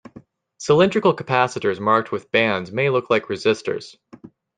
Cylindrical capacitors marked with bands may look like resistors.